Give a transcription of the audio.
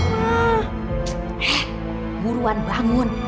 eh buruan bangun